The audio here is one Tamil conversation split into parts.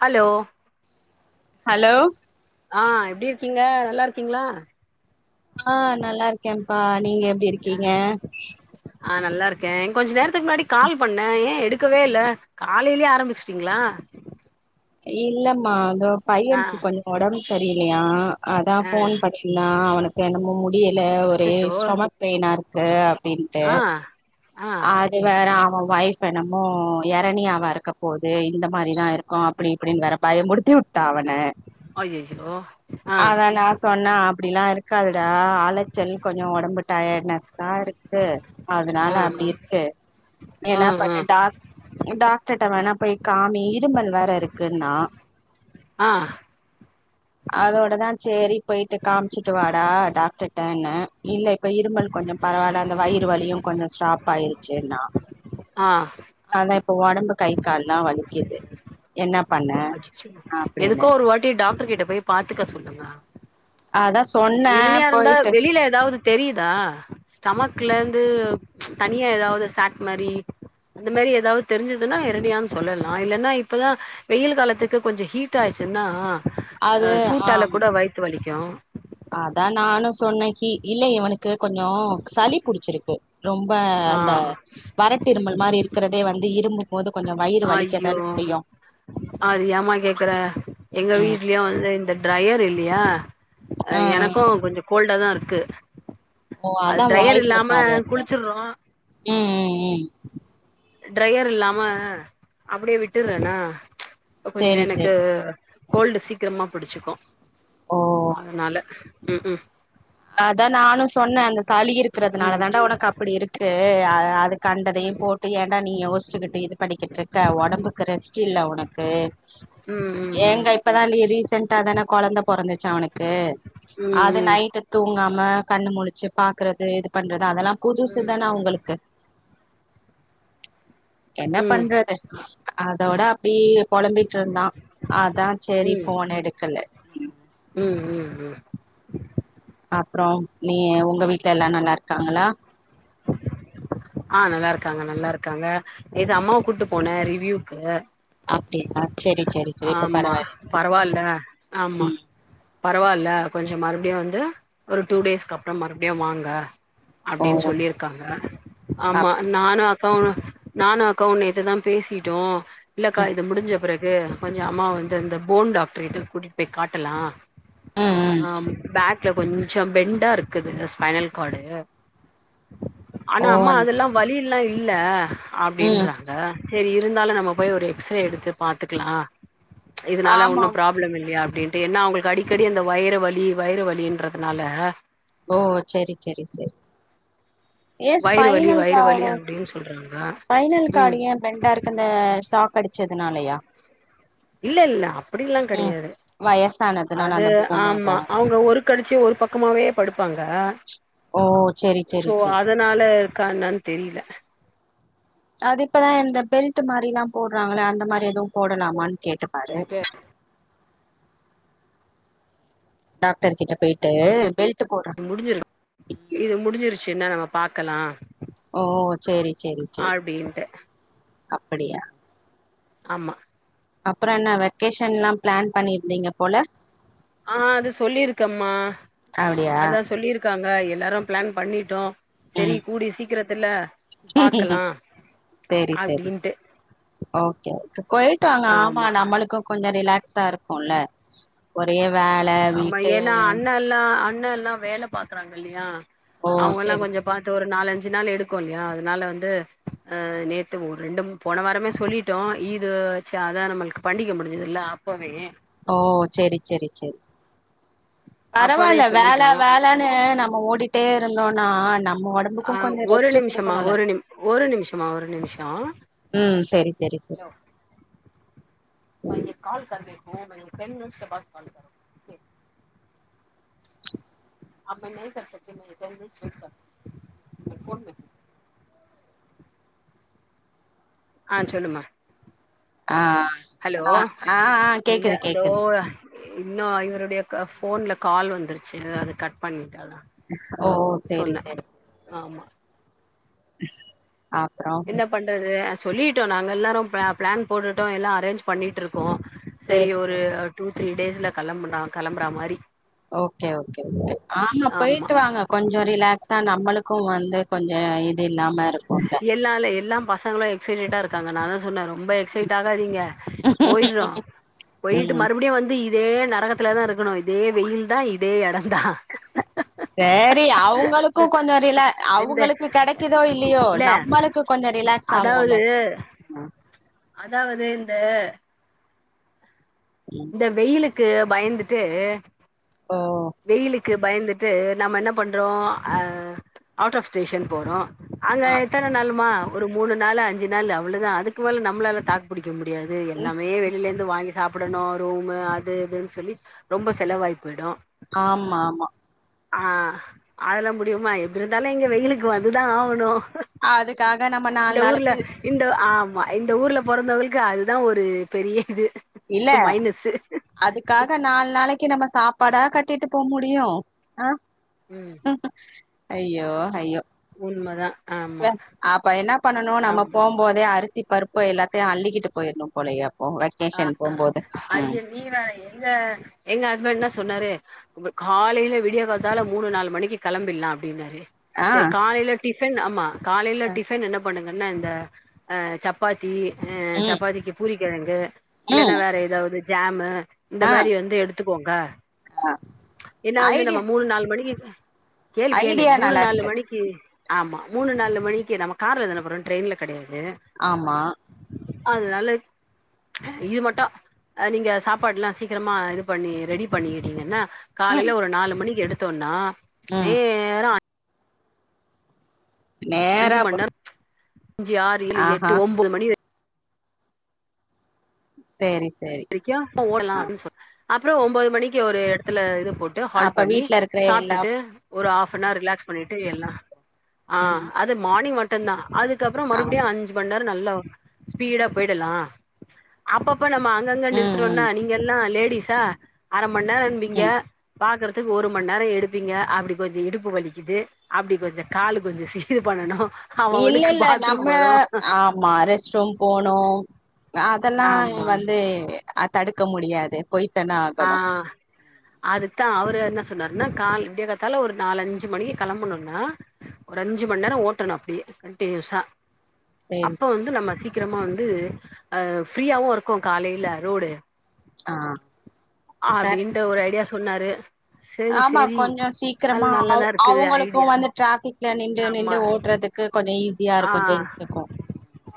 ஹலோ ஹலோ ஆ எப்டி இருக்கிங்க நல்லாருக்கிங்ளா ஆ நல்லாருக்கேம்ப்பா நீங்க எப்டி இருக்கிங்க ஆ நல்லாருக்கே கொஞ்ச நேரத்துக்கு முன்னாடி கால் பண்ண ஏ எடுக்கவே இல்ல காலைலயே ஆரம்பிச்ட்டிங்ளா இல்லம்மா தோ பையனுக்கு கொஞ்ச ஒடம்பு சரி இல்லையா அதா ஆ ஃபோன் பண்ணா அவன என்னமோ முடியில ஒரே அச்சச்சோ ஸ்டொமக் பெயினா இருக்கு க அப்டின்ட்டு ஆ ஆ அது வேற வைஃப் என்னமோ எரணியாவா இருக்க போது இந்த மாரிதா இருக்கு அப்டி இப்டின் வேற பயமுறுத்தி உட் டா அவன அய்யய்யோ ஆ அதா நா சொன்ன அப்படிலா இரு க்காது டா அலச்சல் கொஞ்ச ஒடம்பு டயர்ட்னஸ்தா இருக்கு அதனால ஆ அப்டி இருக்கு நீ ஆ என்ன ஆ பண்ணு டா டாக்டர்ட வேணா போய் காமி இருமல் க்குன்னா ஆ அதோடதா சேரி போயிட்டு காமிச்சுட்டு வாடா டாக்டர்ட்டன்ன இல்ல இப்ப இருமல் கொஞ்ச பரவால சரி அந்த வயிறு சரி வலியு கொஞ்ச ஸ்டாப் ஆயிருச்சுன்னா ஆ அதா இப்ப ஒடம்பு கை கால்லா வலிக்குது என்ன பண்ண அச்சச்சோ அப்டின்னு எதுக்கோ ஒரு வாட்டி டாக்டர் கிட்ட போய் பாத்துக்க சொல்லுங்க அதா சொன்ன இருணியா இருந்தா போயிட்டு வெளியில ஏதாவது தெரியுதா ஸ்டமக்ல இருந்து தனியா எதாவது சாட் மாரி அந்த மாரி எதாவது தெரிஞ்சுதுன்னா இரணியான்னு சொல்லலா இல்லன்னா இப்பதா வெயில் காலத்துக்கு கொஞ்ச ஹீட் ஆச்சுன்னா அது அ சூட்டால ஆமா கூட வயித்து வலிக் கு அதா நானு சொன்னே ஹீ இல்ல இவனுக்கு கொஞ்சோ சளி புடிச்சிருக்கு ரொம்ப ஆ அந்த வறட்டிருமல் மாரி இருக்கற தே வந்து இரும்பும்போது ஐயோ அது ஏமா கேக்குற எங்க ம் வீட்லயு வந்து இந்த டிரையர் இல்லையா அ ஆ ஆ எனக்கு கொஞ்ச கோல்டா தா இருக்கு கு ஓ அதா வாய்ஸ் ஒரு மாரியா இருக்கா குளிச்சிடுறோ ம் ம் ம் ட்ரையர் இல்லாம அப்டியே விட்டுறனா கொஞ்ச சேரி எனக்கு சேரி கோல்டு சீக்கிரமா புடிச்சிக்கு ஓ அதுனால அதா நானு சொன்னே அந்த தாளி ம் இருக்கிறதுனால தாண்டா ஒனக்கு அப்டி இருக்கு அத அது கண்டதையு போட் டு நீ யோஷ்ச்சுகிட்டு இது பண்ணிட்ருக்க ஒடம்புக்கு ரெஸ்ட் இல்ல ஒனக்கு ம் ம் ம் ஏங்க இப்பதா நீ ரீசெண்டா தானே கொழந்த பொறந்தச் ச்சு அவுனுக்கு ம் ம் அது ம் நைட்டு தூங்காம கண்ணு முழிச்சு பாக்றது இது பண்றது அதெல்லா புதுசு ம் தானே அவுங்ளுக்கு என்ன பண்றது அதோட அப்டியே பொலம்பிட்ருந்தா அதா சேரி ம் ஃபோன எடுக்கல உம் ம் ம் ம் அப்றோம் நீ ஒங் ஒங்க வீட்லலா நல்லாருக்காங்களா ஆ நல்லாருக்காங்க நல்லாருக்காங்க நேத்து அம்மாவ கூட்டு போனே ரிவ்யூக்கு அப்டியா செரி செரி செரி இப்ப ஆமா பரவாயில்ல பரவால்ல ஆமா ம் பரவால் இல்ல கொஞ்சோ மறுபடியு வந்து ஒரு டூ டேஸ்க்கு அப்றோ மறுபடியு வாங்க ஓ அப்டின்னு சொல்லியிருக்காங்க ஆமா அப்டி நானு அ நானு அக்காவு நேத்து தா பேசிட்டோ இல்லக்கா ம் இது முடிஞ்சப்பிறகு [unintelligible] கொஞ்சோ அம்மா வந்து அந்த போன் டாட்ருகிட்ட கூட்டிட் போய் காட்டலா ம் ம் ஆம் பேக் க்கு கொஞ்சோ பெண்டா இருக்குதுங்க ஸ்பைனல் கார்டு ஆனா ஓ அம்மா அந் அதெல்லா வலி இல்ல இல்ல ம் அப்டின்றாங்க செரி இருந்தாலு நம்ப போய் ஒரு எக்ஸ்ரே எடுத்து பாத்துக்லா இதுனால ஆமா ஒன்னு ஆமா ப்ராப்ளம் இல்லையா அப்டின் ஏனா அவுங்களுக்கு அடிக்கடி அந்த வயிறு வலி வயிறு வலின்றதுனால ஓ செரி செரி செரி ஏ வயிறு வலி ஸ்பைனல் வயிறு வலி கார்டு அப்டின்னு சொல்றாங்க ஸ்பைனல் ம் கார்டு ஏ பெண்டா இருக்குனு ஸ்டா படிச்சதுனாலயா இல்லெல்ல அப்டில்லா கெடையாது வயசானதுனால அது அந்த போனு ஆமா இதா அவுங்க ஒரு கலுச்சி ஒரு பக்கமாவே படுப் இருப்பாங்க ஓ செரி சோ செரி செரி அதனால க்கா என்னனு தெரியல அது இப்பதா இந்த பெல்ட் மாரியெல்லா போடுறாங்கள அந்த மாரி எதுவு போடலாமான் கேட்டுப் பாரு சொல்லிட்டு டாக்டர் கிட்ட போயிட்டு பெல்ட் போடுற இம் முடிஞ்சிரும் ம் இது முடிஞ்சிருச்சினா நம்ம பாக்கலா ஓ சேரி அப்டின்டு அப்புடியா ஆமா அப்பறோ என்ன வெக்கேஷன்லா பிளான் பண்ணிர்ந்திங்க போல ஆ அது சொல்லிருக்கம்மா அப்டியா அதா சொல்லிரு இருக்காங்க எல்லாரும் பிளான் பண்ணிட்டோம் சரி ம் கூடிய சீக்கிரத்துல பாக்கலாம் அப்டின்ட்டு யாருக்கு போய்ட்டாங்க ஆமா நம்மளுக்கு கொஞ்ச ரிலாக்ஸா இருக்குல்ல ஒ அப்டியே வேல வீட்டு அண்ணே எல்லா வேல பாக்குறாங்க இல்லையா ஓ அவுங்கல்லா சேரி கொஞ்சம் பாத்து ஒரு நாலஞ்சு கொஞ்ச நாள் எடுக்கு இல்லையா அதனால வந்து ஆ நேத்து ஒரு ரெண்டு போன வாரமே சொல்லிட்டோ இது ச்சு அதா நம்மளுக்கு பண்டிக முடிஞ்சுதுல அப்பவே ஓ செரி செரி செரி அப்பவே பரவாயில்ல வேலை சொல்லிட்டோ வேலைனு நம்ம ஓடி கிட்டே இருந்தோம்னா நம்ம ஒடம்புக்கு ஆ கொஞ்சோ ஒரு ரெஸ்ட் நிமிஷமா குடுக்கணுல ஒரு நிமி ஒரு நிமிஷமா ஒரு நிமிஷோ ம் சேரி சேரி சேரி ஹலோ மைய கால் கர்தே [unintelligible] ஆ சொல்லுமா ஆ ஹலோ ஆ ஆ இல்ல கேக்குது இதோ கேக்குது இன்னு இவருடைய க போன்ல கால் வந்துருச்சு அது கட் பண் ஓ செரி செரி ஆமா என்ன பண்றது சொல்லிடோ நாங்க எல்லோரு ப்ள ப்ளான் போட்டுட்டோ எல்லா அரேஞ்ச் பண்ணிகிட்டுருக்கோ செரி சேரி சேரி ஒரு டூ த்ரீ டேஸ்ல் களம்புனா களம்புறா மாரி ஓகே ஓகே ஆமா போயிட்டு வாங்க கொஞ்சோ ரிலாகஸா நம்மளுக்கு வந்து கொஞ்சோ இது இல்லாம இருக்கு எல்லால எல்லாம் பசங்களு எக்சைடடா இருக்கு காங்க நா தா சொன்ன ரொம்ப எக்சைட் ஆகாதீங்க போயடுறோ போயிட்டு ம். மறுபடியு வந்து இதே நரகத்துல தா இருக்கணு இதே வெயில் தா இதே எடோ தா சரி அவங்களுக்கு கொஞ்சோ ரில இந்த அவங்களுக்கு கிடைக்குதோ இல்லையோ இல்ல நம்மளுக்கு கொஞ்சோ ரிலாக்ஸ் ஆகுல அதாவது அதாவது இந்த ம். இந்த வெயிலுக்கு க்கு பயந்துட்டு ஓ! வெயிலுக்கு பயந்து இது நம்ம என்ன பண்றோ அவுட் ஆஃப் ஸ்டேஷன் போறோ அங்க ஆ எத்தன நாலுமா ஒரு மூணு நாள் அஞ்சி நாள் அவளதா அதுக்கு மேல நம்மளால தாக்கு பிடிக் முடியாது ம். எல்லாமே வெளயிலிருந்து வாங்கி சாப்பிடணு ரோ அது இதுன்னு சொல்லி ரொம்ப செலவாய்ப்புடு ஆமா ஆமா ஆஹ் அதெல்லா முடியுமா எப்படி இருந்தாலு இங்க வெயிலுக்கு வந்துதா ஆகணு அதுக்காக நம்ம நாலு நாளைக்கு இந்த ஆமா இந்த ஊரல பிறந்தவளுக்கு அதுதா ஒரு பெரிய இது இல்ல மைனஸு அதுக்காக நாலு நாளைக்கு கு நம்ம சாப்பாடா கட்டிட்டு போக முடியும் ஆஹ ம் உஹ அயோ அஹ்யோ உண்மதா ஆமா அப்ப என்ன பண்ணனு நம்ம ஆம் போம் போதேயரு த்தி பருப்ப எல்லாத்தையு அல்லிக்கிட்டு போயர்ணு போழைய ஓ ஆ வெக்கேஷன் ஆ போம்போது அது ம் நீ வேற எங்க எங்க ஹஸ்பண்ட்லா சொன்னாரு காலையில விடிய காத்தால மூணு நாலு மணிக்கு கிளம்பிடலா அப்படின்னாரு ஆ சரி காலையில சென் ஆமா காலையில அ, டிஃபன் என்ன பண்ணுன என்ன இந்த அஹ சப்பாத்தி ஆ ம் சப்பாத்திக்கு பூரி கெழங்கு இல்லன்னா ம் வேற எதாவது ஜாமு இந்த ஆ மாரி வந்து எடுத் துக்கோங்க ஆ ஏன்னா வந்து நம்ம ஐடியா மூணு நாலு மணிக்கு கேளு கேளு ஐடியா மூணு நாலு நல்லாருக்கு மணிக்கு ஆமா மூணு நாலு மணி நம்ம கார்ல தான போறோ ட்ரெய்ன்ல கடையா ஆமா அதனால இது மட்டு நீங்க சாப்பாட்லா சீக்கிரமா இது பண்ணி ரெடி பண்ணிட்டீங்கன்னா ம் காலைல ஒரு நாலு மணிக்கு எடுத்து த்தோன்னா ம் நேரா அஞ்சு நேராப்ப மண் நேரோ அஞ்சு ஆறு ஏழு எட்டு ஒம்போது மணி வரையு சேரி சேரி நிக்காம ஓடலா அப்டின்னு சொன்ன அப்பறோ ஒம்போது மணிக்கு ஒரு எடத்துல இருப் போட்டு ஹால்ட் அப்ப பண்ணி வீட்ல இருக்கிற எல்லா சாப்ட்டுட்டு ஒரு ஹாஃப் அன் ஆர் ரிலாக்ஸ் பண்ணிட்டு எல்லா ஆ ம் அது மானிங் மட் டு தா அது அதுக்கப்பற ஆ மறுபடியு அஞ்சு மன்நேரோ நல்லா ஸ்பீடா போயிடலா அப்பப்ப நம் ம அங்கங்க ம் நிறுத்துறோன்னா ம் நீங்கெல்லா லேடிஸ் சா அரம் மன்நேரோம்பீங்க ம் பாக்குறதுக்கு ஒரு மணி நேரம் எடுப்பீங்க அப்டி கொஞ்சோ இடுப்பு வலிக்குது அப்டி கொஞ்சோ கால் கொஞ்சோ சீரு பண்ணணு இல்ல இல்ல நம்ம ஆமா ரேஸ்ட்ரூம் போணு இதெல்லா ஆமா வந்து அத தடுக்க முடியாது போய் ட்டுதான ஆகணு அதுதான் அவரு என்ன சொன்னாருன்னா கால் ஏரத்ததால ஒரு நாலு அஞ்சு மணிக்கு கிளம்பணும்னா ஒரு அஞ்சு மணி நேரம் ஓட்டணும் அப்படியே கண்டினியூஸா சேரி அப்ப சேரி வந்து நம்ம சீக் சீக்கிரமா வந்து அஹ் ஃப்ரீயாவும் இருக்கும் காலைல ரோடு ஆஹ் அப்டின்டு ஒரு ஐடியா சொன்னாரு சேரி ஆமா சேரி கொஞ்சோ அது சீக்கிரமா நல்லாதா இருக்குது அவங்களுக்கும் ஐடியா வந்து டிராபிக்ல நின்று ஆமா நின்று ஓட்டுறதுக்கு கொஞ்சோ ஈ ஆ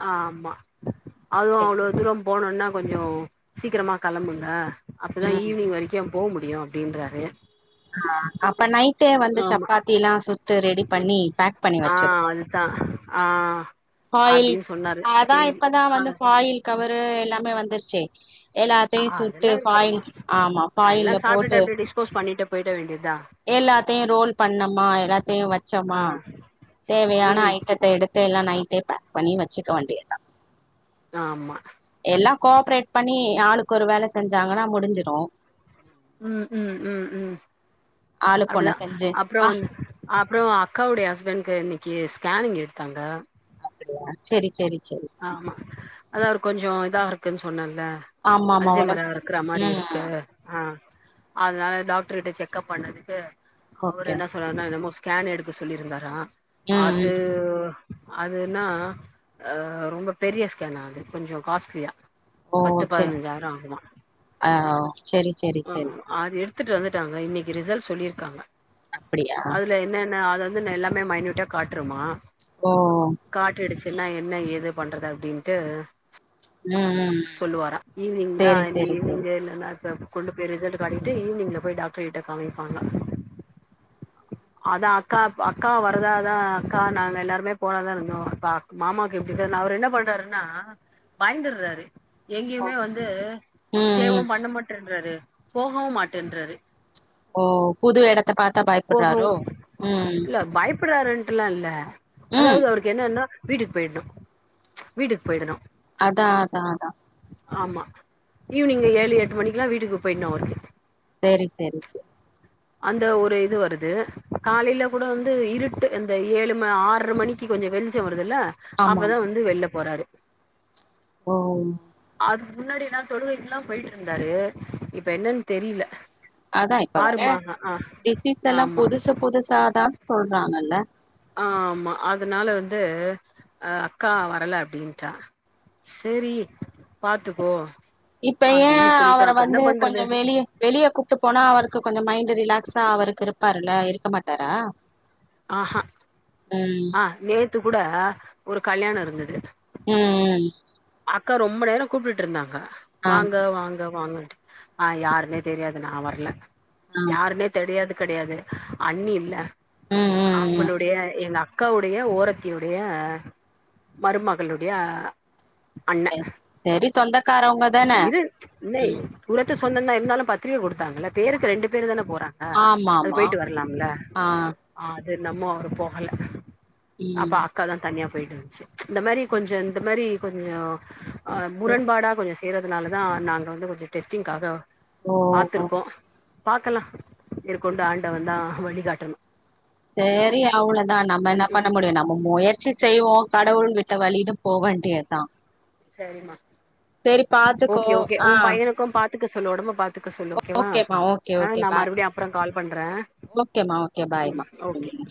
ஆ ஆமா அதுவு அவ்ளோ துறம் போகனுன்னா கொஞ்சோ சீக்கிரமாக கிளம்புங்க அப்பதான் ம் ஈவினிங் வரைக்கும் போக முடியும் முடியும் அப்டின்றாரு ஆ அப்ப னைட் டே வந்து ஆமா சப்பாத்திலாம் சுட்டு ரெடி பண்ணி பேக் பண்ணி ஆ வச்சிருந்தோம் அதுதா ஆ ஃபாயில் அப்டின்னு சொன்னாரு அதான் சேரி இப்பதான் ஆ வந்து ஃபாயில் கவரு எல்லாமே வந்துருச்சு எல்லாத்தையும் சுட்டு அதெல்லா இருக்கு ஆமா ஃபாயில்ல ஆமா அதெல்லா பஃபாயில்ல சாப்ட்டுட்டு போட்டு அப்டியே டிஸ்போஸ் பண்ணிட்டு போயிட வேண்டியத் எல்லாத்தையும் ரோல் பண்ணோமா எல்லாத்தையும் வச்சோமா ஆ தேவையான ம் ஐய்டத்த எடுத்து எல்லாம் நைட் டே பேக் பண்ணி வச்சுக்க வேண்டிய தான் ஆமா எல்லாம் கோஆப்ரேட் பண்ணி யாளுக்கு ஒரு வேலை செஞ்சாங்கன்னா முடிஞ்சிரும் ம் ம் ம் ம் ஆளுக்கு ஒண்ணு அப்டிதா செஞ்சு அப்பறோ ஆ வந்து அப்பறோ அக்காவுடைய ஹஸ்பண்ட்டு ஏ ஸ்கேனிங் எடுத்தாங்க அப்படியா செரி செரி செரி ஆமா அதா ஒரு கொஞ்சோ இதா இருக்கூ இருக்கு சொன்னாங்க தா ஆமா ஆமா அல்ஜமரா ஒடம்பு சரி இருக்கற மாரி ம் இருக்கு ஆஹ் அதனால டாக்டர் கிட்ட செக்ப் பண்ணறதுக்கு அவர் ஓகே என்ன சொல்றாருன்னா என்னமோ ஸ்கேன் எடுக்க சொல்லியிருந்தாரான் ம் அது ம் அதுனா அ ரொம்ப பெரிய ஸ்கேன அது கொஞ்சோ காஸ்ட்லியா ஓ பத்து செரி பதினஞ்சாயிரோ ஆகுமா ஆ செரி செரி செரி த்துட்டு வந்துட்டாங்க இன்னிக்கு ரிசல் சொல்லிர்க்காங்க அப்டியா ன அது வந்து நா எல்லாமே மைன்யூட்டா காட்ருமா ஓ என்னா என்ன ஏது பண்றது அப்டின்ட்டு ம் ம் சொல்லுவாரா ஈவினிங் தா செரி இன்னிக்கு செரி செரி ஈவினிங்கு இல்லன்னா தப் கொண்டு போய் ரிசல்ட் காட்டிட்டு ஈவினிங்ல போய் டாக்டர் கிட்ட காமிப்பாங்க அதா அக்கா அக்கா வரதாதா அக்கா நாங்க எல்லாருமே போலாதா இருந்தோ இப்ப மாமாக்கு இப்டி தா அவரு என்ன பண்றாருன்னா பயந்துட்றாரு ஓ எங்கெயுமே வந்து ம் ஸ்டேவு ம் பண்ண மாட்ரேன்றாரு போகவு மாட்ரேன்றாரு ஓ புது எடத்த பாத்தா பயப் போகு இல பயப்பட்றாருன் பில்லா இல்ல ம் அதாவுது அவருக்கு என்னேனா வீட்டுக் பொய்ட்ணு வீட்டுக் பொயிடணு அதா அதா அதா ஆமா ஈவினிங்கு ஏழு எட்டு மணிக்லா வீட்டுக்கு பொய்ட்னு அவர்க்கு சேரி செரி செர் அந்த ஒரு இது வருது காலைல கூட வந்து இருட்டு அந்த ஏழு ம ஆர்ற மணிக்கு கொஞ்சொ வெளிச்ச வர் துல அப்பதா வந்து வெள்லப் போறாரு வவ் அதுக் முன்னாடி நா தொழுவைக்லா பொய்ட்ருந்தாரு இப்ப என்னன் தெரிய்ல அதா இப்ப வர ஜெஸ்டிஸ் எலா ஆமா புதுசு புதுசாதா சொல்றாங்கல்ல ஆ ஆமா அதுனால வந்து அ அக்கா வரல அப்டின்ட்டா சேரி பாத்துக்கோ இப்ப ஏ அப்டின்னு சொல்லிட்டோ அவர அப்ப என்ன வந்து கொஞ்சொ பண்றது வெளிய வெளியே கூப்ட்டு போனா அவருக்கு கொஞ்சொ மைண்டு ரிலாக் க்ஸா அவருக்கு இருப்பாருல இருக்க மாட்டாரா ஆஹா ம் த்து கூட ஒரு கல்யாணொ இருந்தது உம் அக்கா ரொம்ப நேரொ கூப்டுட்ருந்தாங்க ஆ வாங்க வாங்க வாங்கன் ஆஹ் யாருனே தெரியாது நா வரல ஆ யான்னே தெரியாது கெடையாது அண்ணி இல்ல ம் ம் ம் அவங்களுடைய எங்க அ அக்காவுடைய ஓரத்துடைய மருமகளுடைய செரி செரி சொந்த இவ ந ப சொன்னனா இருந்தாலும் பத்திரை கொடுத்தாங்கள பேருக்கு ரெண்டு பேர் தான போற ங்க ஆமா அது ஆமா போயிட்டு வரலாம்ல ஆ அ நம்ம அவர் போகல அப்பா ம் அக்க தான் தனியா போயந்துச்ச இந்த மாரி கொஞ்சோ இந்த மாி கொஞ்ச ஓ உரண்பாடா கொஞ் செய்றதுனால தான் நாங்க வந்து கொஞ்சு டெஸ்டிங்க்காக ஓ ஓ. பாத்துருக்கோ பாக்கலா இருற்கொண்டு ஆண்டவே தா வழிகாட்டணு செரி அவ்ளவுதான் நம்ம என்ன ம் ம் பண்ண முடியும் நம்ம முயற்சி செய்வோ கடவுள் விட்ட வழில போவேண்டியதா செரிமா பாத்துக்கோ ஓகே ஓகே ஆ உன் பையனுக்கும் பா க்கு சொல்ல ஒடம்ப பார்த்து க்க சொல்ல ஓகேவா ஓகேமா ஓகே ஆ ஓகே நான் பாய் மறுபடியும் அப்புறோ கால் பண்றேன் ஓகேமா ஓகே பாய்மா ஓகே ம்